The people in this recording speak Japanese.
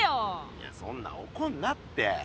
いやそんなおこんなって。